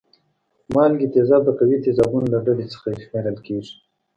مالګې تیزاب د قوي تیزابونو له ډلې څخه شمیرل کیږي.